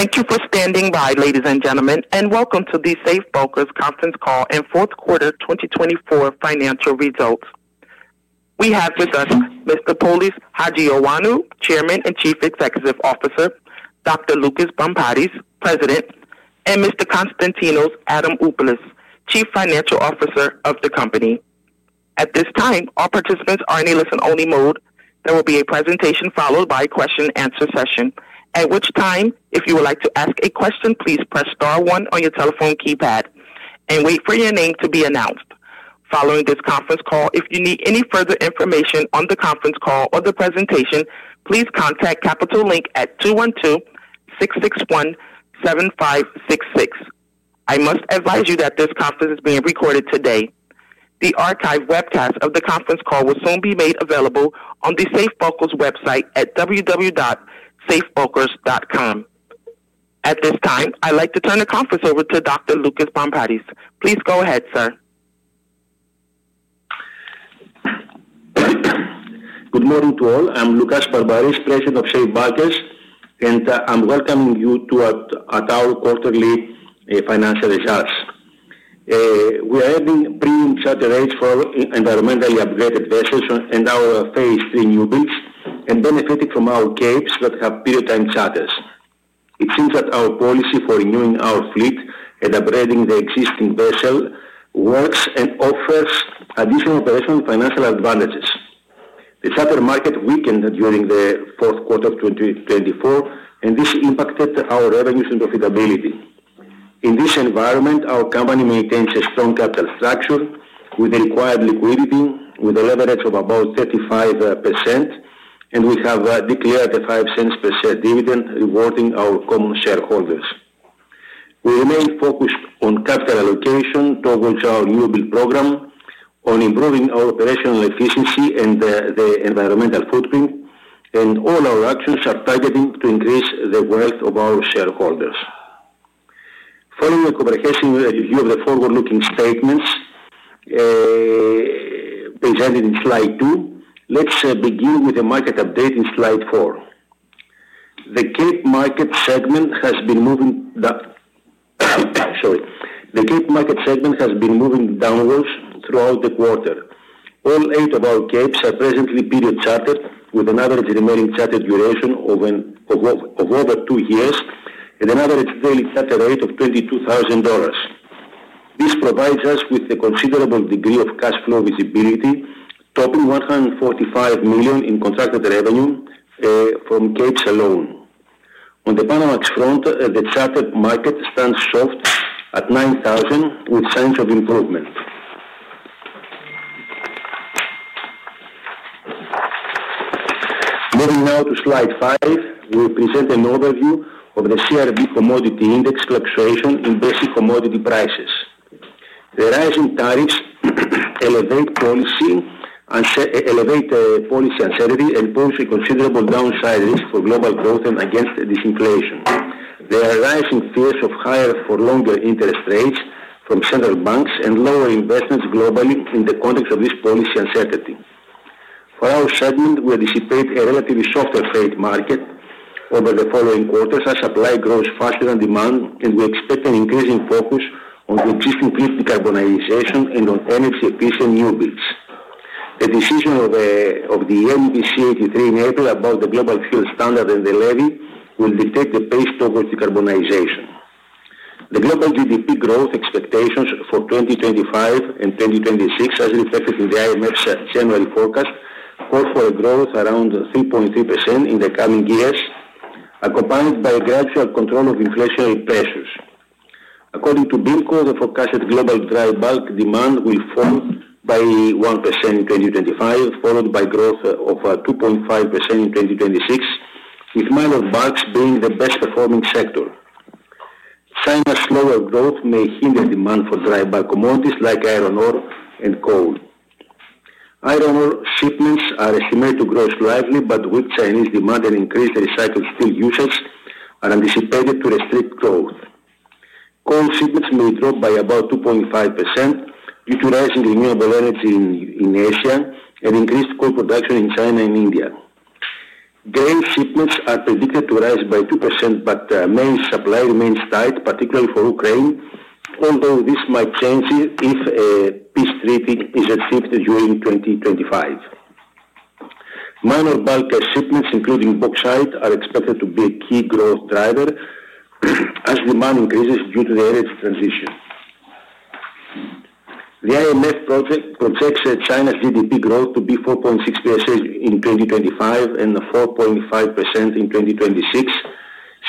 Thank you for standing by, ladies and gentlemen, and Welcome to the Safe Bulkers Conference Call and Fourth Quarter 2024 Financial Results. We have with us Mr. Polys Hajioannou, Chairman and Chief Executive Officer, Dr. Loukas Barmparis, President, and Mr. Konstantinos Adamopoulos, Chief Financial Officer of the company. At this time, all participants are in a listen-only mode. There will be a presentation followed by a question-and-answer session, at which time, if you would like to ask a question, please press star one on your telephone keypad and wait for your name to be announced. Following this conference call, if you need any further information on the conference call or the presentation, please contact Capital Link at 212-661-7566. I must advise you that this conference is being recorded today. The archive webcast of the conference call will soon be made available on the Safe Bulkers website at www.safebulkers.com. At this time, I'd like to turn the conference over to Dr. Loukas Barmparis. Please go ahead, sir. Good morning to all. I'm Loukas Barmparis, President of Safe Bulkers, and I'm welcoming you to our quarterly financial results. We are having premium charter rates for environmentally upgraded vessels and our Phase 3 newbuilds and benefiting from our Capes that have period time charters. It seems that our policy for renewing our fleet and upgrading the existing vessel works and offers additional operational financial advantages. The charter market weakened during the fourth quarter of 2024, and this impacted our revenues and profitability. In this environment, our company maintains a strong capital structure with the required liquidity, with a leverage of about 35%, and we have declared a $0.05 per share dividend, rewarding our common shareholders. We remain focused on capital allocation towards our new build program, on improving our operational efficiency and the environmental footprint, and all our actions are targeting to increase the wealth of our shareholders. Following a comprehensive review of the forward-looking statements presented in Slide two, let's begin with a market update in Slide four. The Capes market segment has been moving downwards throughout the quarter. All eight of our Capes are presently period chartered, with an average remaining charter duration of over two years and an average daily charter rate of $22,000. This provides us with a considerable degree of cash flow visibility, topping $145 million in contracted revenue from Capes alone. On the Panamax front, the charter market stands soft at $9,000, with signs of improvement. Moving now to slide five, we present an overview of the CRB Commodity Index fluctuation in basic commodity prices. The rising tariffs elevate policy uncertainty and pose a considerable downside risk for global growth and against disinflation. There are rising fears of higher for longer interest rates from central banks and lower investments globally in the context of this policy uncertainty. For our segment, we anticipate a relatively soft trade market over the following quarters as supply grows faster than demand, and we expect an increasing focus on the existing fleet decarbonization and on energy-efficient newbuilds. The decision of the MEPC 83 in April about the global fuel standard and the levy will dictate the pace towards decarbonization. The global GDP growth expectations for 2025 and 2026, as reflected in the IMF's January forecast, call for a growth around 3.3% in the coming years, accompanied by a gradual control of inflationary pressures. According to BIMCO, the forecasted global dry bulk demand will fall by 1% in 2025, followed by growth of 2.5% in 2026, with minor bulks being the best-performing sector. China's slower growth may hinder demand for dry bulk commodities like iron ore and coal. Iron ore shipments are estimated to grow slightly, but with Chinese demand and increased recycled steel usage, are anticipated to restrict growth. Coal shipments may drop by about 2.5% due to rising renewable energy in Asia and increased coal production in China and India. Grain shipments are predicted to rise by 2%, but main supply remains tight, particularly for Ukraine, although this might change if a peace treaty is achieved during 2025. Minor bulk shipments, including bauxite, are expected to be a key growth driver as demand increases due to the energy transition. The IMF projects China's GDP growth to be 4.6% in 2025 and 4.5% in 2026,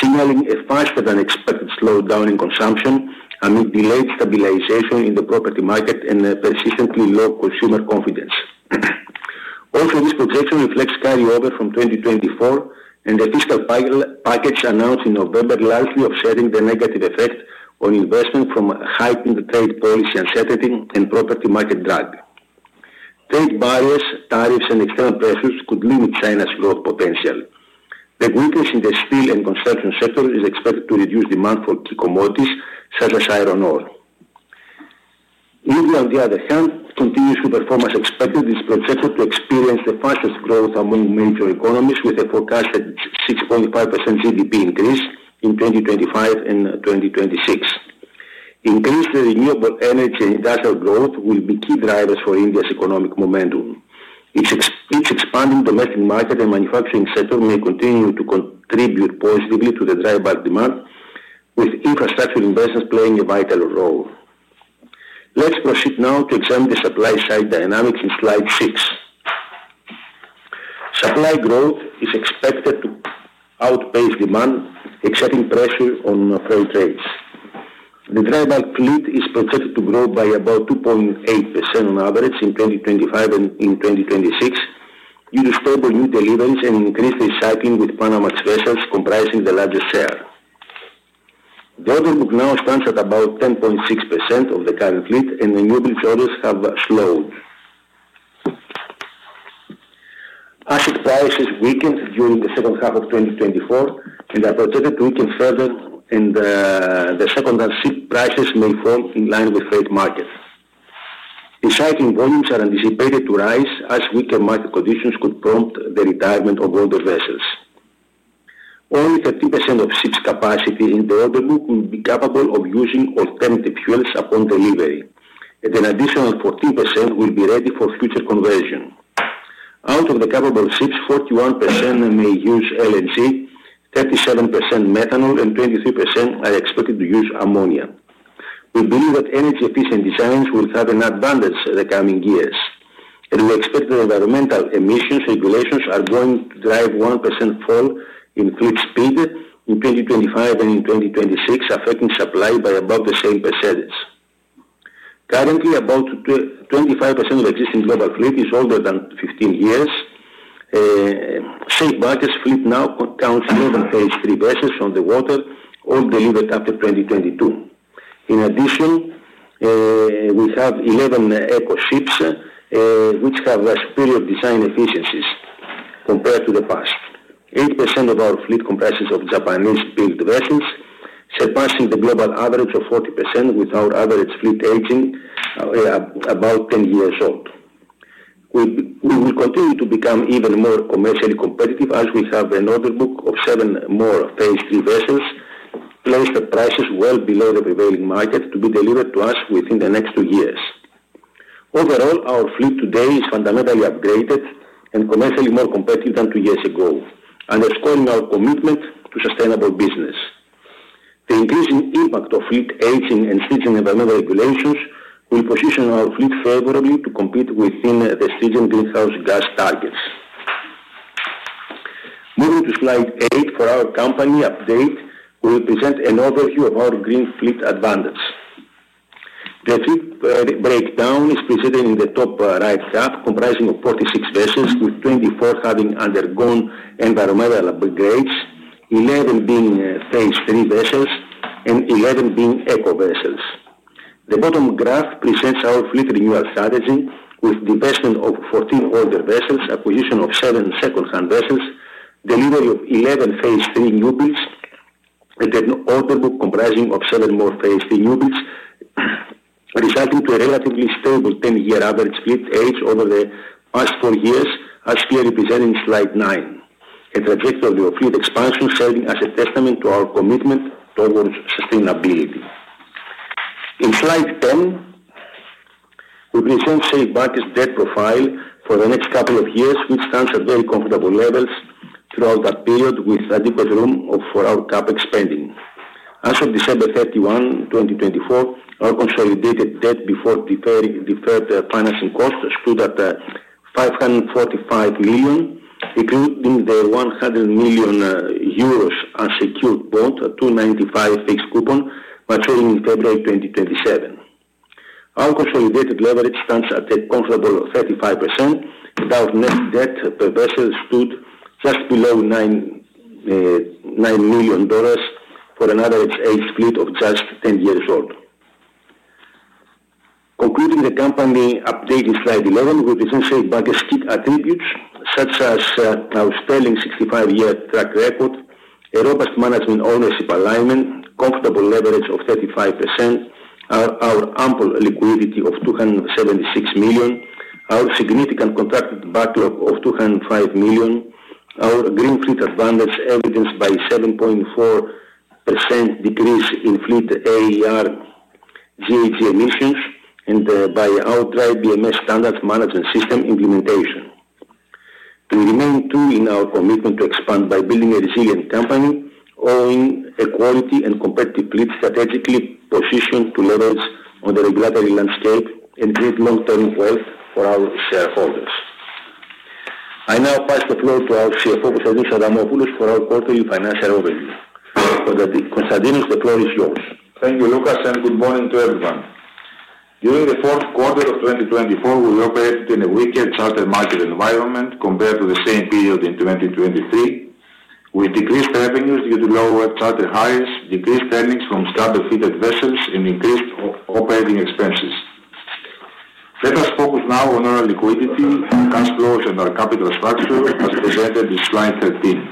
signaling a faster-than-expected slowdown in consumption amid delayed stabilization in the property market and persistently low consumer confidence. Also, this projection reflects carryover from 2024, and the fiscal package announced in November likely offsetting the negative effect on investment from heightened trade policy uncertainty and property market drag. Trade barriers, tariffs, and external pressures could limit China's growth potential. The weakness in the steel and construction sector is expected to reduce demand for key commodities such as iron ore. India, on the other hand, continues to perform as expected. It is projected to experience the fastest growth among major economies, with a forecasted 6.5% GDP increase in 2025 and 2026. Increased renewable energy and industrial growth will be key drivers for India's economic momentum. Its expanding domestic market and manufacturing sector may continue to contribute positively to the dry bulk demand, with infrastructure investments playing a vital role. Let's proceed now to examine the supply-side dynamics in Slide six. Supply growth is expected to outpace demand, exerting pressure on freight rates. The dry bulk fleet is projected to grow by about 2.8% on average in 2025 and in 2026 due to stable new deliveries and increased recycling with Panamax vessels comprising the largest share. The order book now stands at about 10.6% of the current fleet, and the new build orders have slowed. Asset prices weakened during the second half of 2024, and are projected to weaken further, and the secondary ship prices may fall in line with freight markets. Recycling volumes are anticipated to rise as weaker market conditions could prompt the retirement of older vessels. Only 13% of ships' capacity in the order book will be capable of using alternative fuels upon delivery, and an additional 14% will be ready for future conversion. Out of the Capesize ships, 41% may use LNG, 37% methanol, and 23% are expected to use ammonia. We believe that energy-efficient designs will have an advantage in the coming years, and we expect the environmental emissions regulations are going to drive a 1% fall in fleet speed in 2025 and in 2026, affecting supply by about the same percentage. Currently, about 25% of existing global fleet is older than 15 years. Safe Bulkers fleet now counts more than 33 vessels on the water, all delivered after 2022. In addition, we have 11 Eco-ships which have superior design efficiencies compared to the past. 8% of our fleet comprises Japanese-built vessels, surpassing the global average of 40% with our average fleet aging about 10 years old. We will continue to become even more commercially competitive as we have an order book of seven more Phase 3 vessels placed at prices well below the prevailing market to be delivered to us within the next two years. Overall, our fleet today is fundamentally upgraded and commercially more competitive than two years ago, underscoring our commitment to sustainable business. The increasing impact of fleet aging and strict environmental regulations will position our fleet favorably to compete within the strict greenhouse gas targets. Moving to slide eight for our company update, we will present an overview of our green fleet advantage. The fleet breakdown is presented in the top right half, comprising 46 vessels, with 24 having undergone environmental upgrades, 11 being Phase 3 vessels and 11 being eco-vessels. The bottom graph presents our fleet renewal strategy with the investment of 14 older vessels, acquisition of seven second-hand vessels, delivery of 11 Phase three newbuilds, and an order book comprising of seven more Phase three newbuilds, resulting in a relatively stable 10-year average fleet age over the past four years, as clearly presented in Slide nine, a trajectory of fleet expansion serving as a testament to our commitment towards sustainability. In slide ten, we present Safe Bulkers' debt profile for the next couple of years, which stands at very comfortable levels throughout that period, with adequate room for our CapEx spending. As of December 31, 2024, our consolidated debt before deferred financing costs excluded $545 million, including the $100 million unsecured bond, a 2.95% fixed coupon maturing in February 2027. Our consolidated leverage stands at a comfortable 35%, with our net debt per vessel stood just below $9 million for an average age fleet of just 10 years old. Concluding the company update in Slide 11, we present Safe Bulkers' key attributes such as our sterling 65-year track record, a robust management ownership alignment, comfortable leverage of 35%, our ample liquidity of 276 million, our significant contracted backlog of $205 million, our green fleet advantage evidenced by a 7.4% decrease in fleet AER GHG emissions, and by our DryBMS standards management system implementation. We remain true in our commitment to expand by building a resilient company, owning a quality and competitive fleet strategically positioned to leverage on the regulatory landscape and create long-term growth for our shareholders. I now pass the floor to our CFO, Konstantinos Adamopoulos, for our quarterly financial overview. Konstantinos, the floor is yours. Thank you, Loukas, and good morning to everyone. During the fourth quarter of 2024, we operated in a weaker charter market environment compared to the same period in 2023, with decreased revenues due to lower charter rates, decreased earnings from spot-traded vessels, and increased operating expenses. Let us focus now on our liquidity, cash flows, and our capital structure, as presented in Slide 13.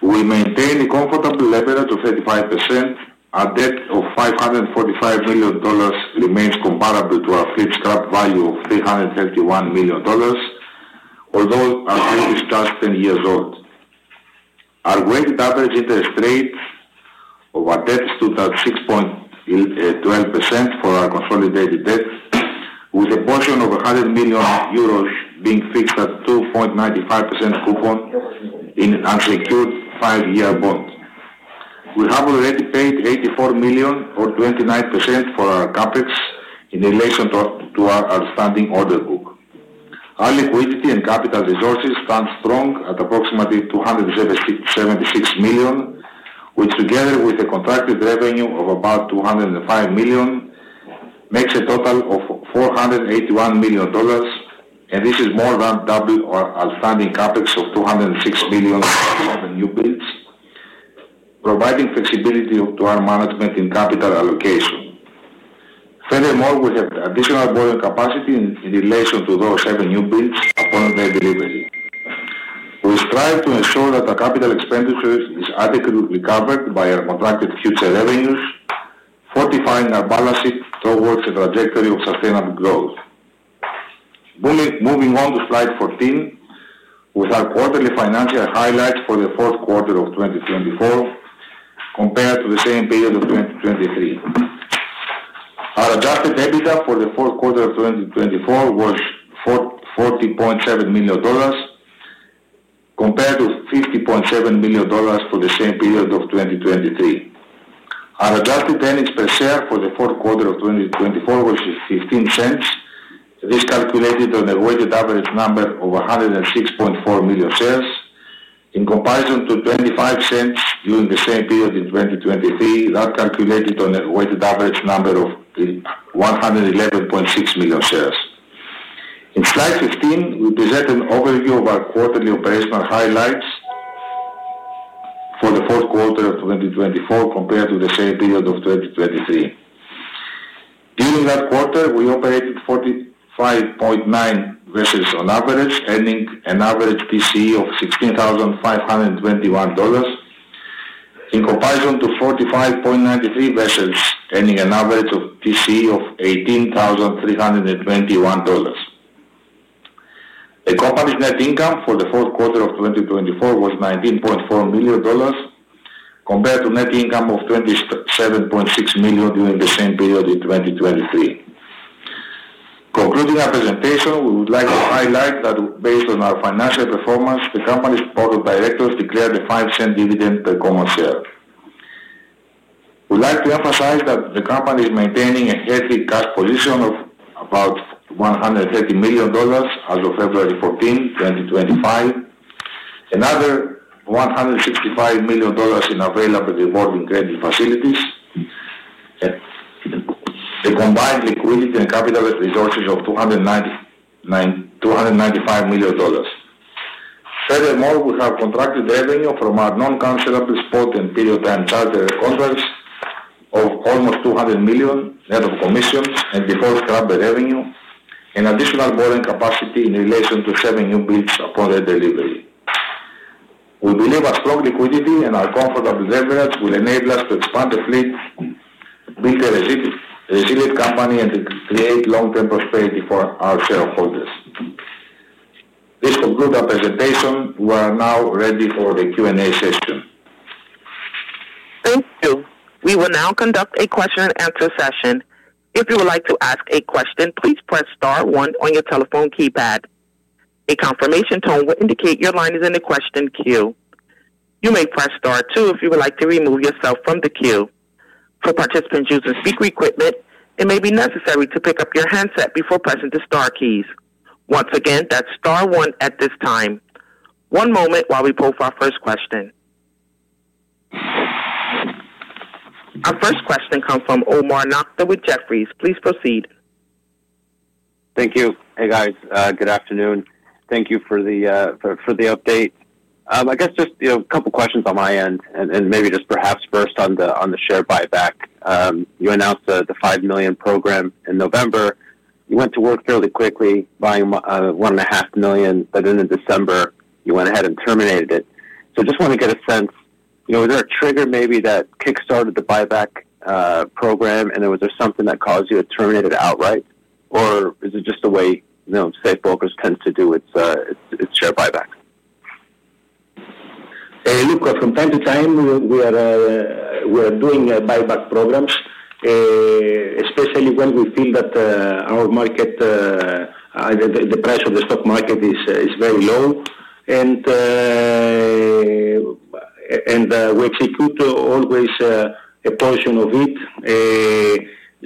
We maintain a comfortable leverage of 35%. Our debt of $545 million remains comparable to our fleet scrap value of $331 million, although our fleet is just 10 years old. Our weighted average interest rate of our debt stood at 6.12% for our consolidated debt, with a portion of €100 million being fixed at 2.95% coupon in unsecured five-year bonds. We have already paid $84 million, or 29%, for our CapEx in relation to our outstanding order book. Our liquidity and capital resources stand strong at approximately $276 million, which, together with the contracted revenue of about $205 million, makes a total of $481 million, and this is more than double our outstanding CapEx of $206 million for seven newbuilds, providing flexibility to our management in capital allocation. Furthermore, we have additional borrowing capacity in relation to those seven newbuilds upon their delivery. We strive to ensure that our capital expenditure is adequately recovered by our contracted future revenues, fortifying our balance sheet towards a trajectory of sustainable growth. Moving on to Slide 14, with our quarterly financial highlights for the fourth quarter of 2024 compared to the same period of 2023. Our adjusted EBITDA for the fourth quarter of 2024 was $40.7 million, compared to $50.7 million for the same period of 2023. Our adjusted earnings per share for the fourth quarter of 2024 was $0.15, this calculated on a weighted average number of 106.4 million shares, in comparison to $0.25 during the same period in 2023, that calculated on a weighted average number of 111.6 million shares. In Slide 15, we present an overview of our quarterly operational highlights for the fourth quarter of 2024 compared to the same period of 2023. During that quarter, we operated 45.9 vessels on average, earning an average TCE of $16,521, in comparison to 45.93 vessels earning an average TCE of $18,321. The company's net income for the fourth quarter of 2024 was $19.4 million, compared to net income of $27.6 million during the same period in 2023. Concluding our presentation, we would like to highlight that based on our financial performance, the company's board of directors declared a $0.05 dividend per common share. We'd like to emphasize that the company is maintaining a healthy cash position of about $130 million as of February 14, 2025, another $165 million in available revolving credit facilities, a combined liquidity and capital resources of $295 million. Furthermore, we have contracted revenue from our non-cancellable spot and period-time charter contracts of almost $200 million net of commissions and deferred scrubber revenue, and additional borrowing capacity in relation to seven newbuilds upon their delivery. We believe our strong liquidity and our comfortable leverage will enable us to expand the fleet, build a resilient company, and create long-term prosperity for our shareholders. This concludes our presentation. We are now ready for the Q&A session. Thank you. We will now conduct a question-and-answer session. If you would like to ask a question, please press star one on your telephone keypad. A confirmation tone will indicate your line is in a question queue. You may press star two if you would like to remove yourself from the queue. For participants using speaker equipment, it may be necessary to pick up your handset before pressing the star keys. Once again, that's star one at this time. One moment while we post our first question. Our first question comes from Omar Nokta with Jefferies. Please proceed. Thank you. Hey, guys. Good afternoon. Thank you for the update. I guess just a couple of questions on my end, and maybe just perhaps first on the share buyback. You announced the five million program in November. You went to work fairly quickly, buying 1.5 million, but then in December, you went ahead and terminated it. So I just want to get a sense, was there a trigger maybe that kickstarted the buyback program, and was there something that caused you to terminate it outright, or is it just the way Safe Bulkers tends to do its share buyback? Loukas, from time to time, we are doing buyback programs, especially when we feel that our market, the price of the stock market, is very low, and we execute always a portion of it.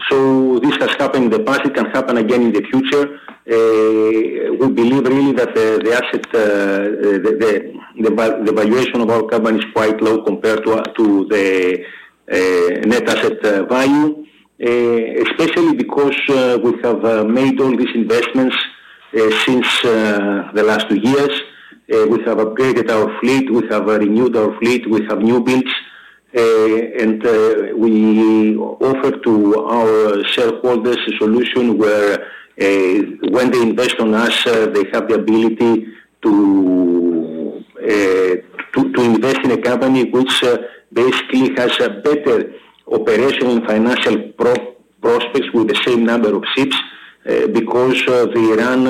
So this has happened in the past. It can happen again in the future. We believe really that the valuation of our company is quite low compared to the net asset value, especially because we have made all these investments since the last two years. We have upgraded our fleet. We have renewed our fleet. We have newbuilds. And we offer to our shareholders a solution where, when they invest on us, they have the ability to invest in a company which basically has a better operational and financial prospects with the same number of ships because they run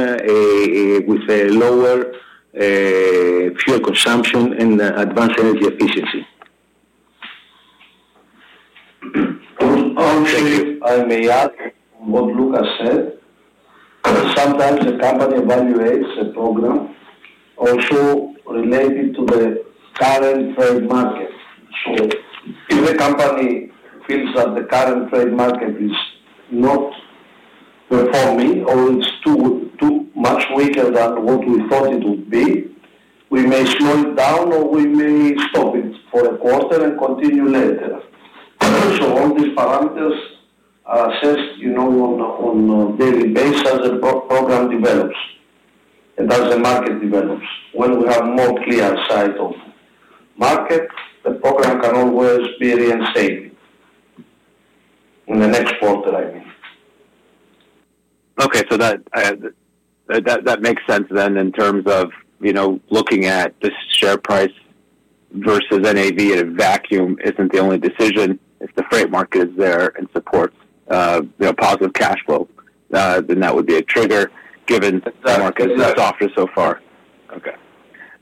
with lower fuel consumption and advanced energy efficiency. Thank you. I may add on what Loukas said. Sometimes a company evaluates a program also related to the current trade market. So if a company feels that the current trade market is not performing or it's much weaker than what we thought it would be, we may slow it down or we may stop it for a quarter and continue later. So all these parameters are assessed on a daily basis as the program develops and as the market develops. When we have more clear sight of the market, the program can always be reinstated in the next quarter, I mean. Okay. So that makes sense then in terms of looking at the share price versus NAV in a vacuum isn't the only decision. If the freight market is there and supports positive cash flow, then that would be a trigger given the market is softer so far. Okay.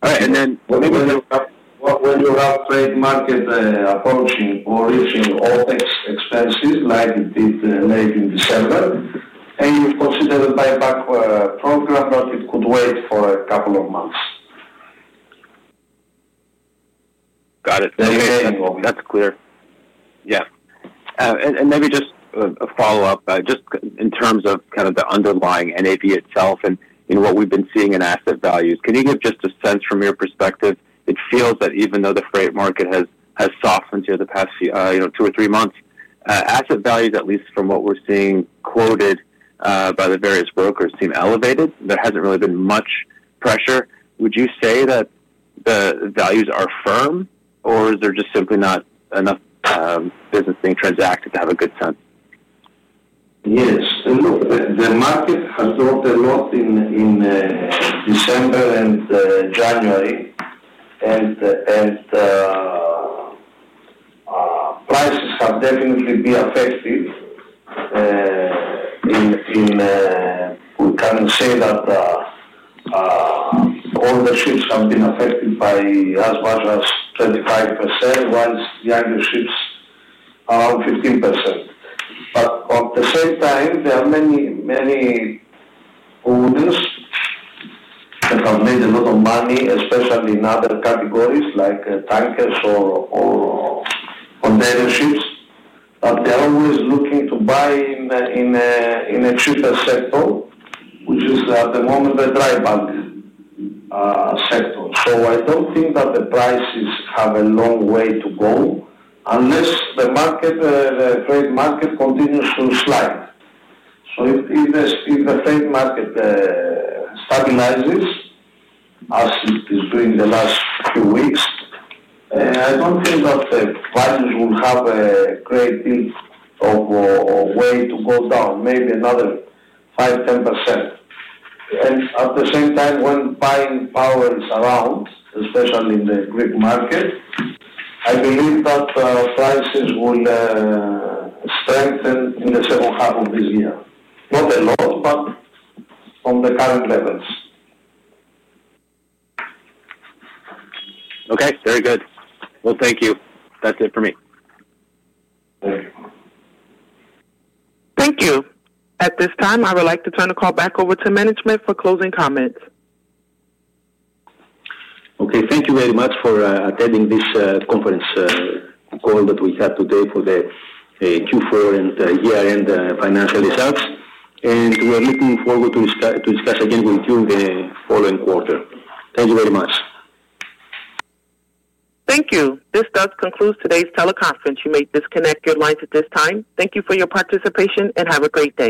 All right. And then. When you have trade market approaching or reaching OpEx expenses like it did late in December, and you consider the buyback program, it could wait for a couple of months. Got it. That's clear. Yeah. And maybe just a follow-up, just in terms of kind of the underlying NAV itself and what we've been seeing in asset values, can you give just a sense from your perspective? It feels that even though the freight market has softened here the past two or three months, asset values, at least from what we're seeing quoted by the various brokers, seem elevated. There hasn't really been much pressure. Would you say that the values are firm, or is there just simply not enough business being transacted to have a good sense? Yes. The market has dropped a lot in December and January, and prices have definitely been affected. We can say that all the ships have been affected by as much as 25%, while the other ships around 15%. But at the same time, there are many owners that have made a lot of money, especially in other categories like tankers or container ships, but they are always looking to buy in a cheaper sector, which is at the moment the dry bulk sector. So I don't think that the prices have a long way to go unless the trade market continues to slide. So if the trade market stabilizes, as it is doing the last few weeks, I don't think that the values will have a great deal of a way to go down, maybe another 5-10%. At the same time, when buying power is around, especially in the Greek market, I believe that prices will strengthen in the second half of this year. Not a lot, but on the current levels. Okay. Very good. Well, thank you. That's it for me. Thank you. Thank you. At this time, I would like to turn the call back over to management for closing comments. Okay. Thank you very much for attending this conference call that we had today for the Q4 and year-end financial results, and we are looking forward to discuss again with you the following quarter. Thank you very much. Thank you. This does conclude today's teleconference. You may disconnect your lines at this time. Thank you for your participation and have a great day.